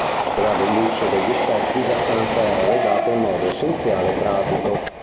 Malgrado il lusso degli specchi, la stanza era arredata in modo essenziale e pratico.